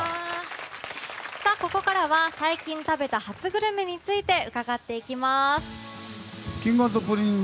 ここからは最近食べた初グルメについて伺っていきます。